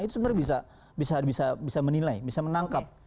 itu sebenarnya bisa menilai bisa menangkap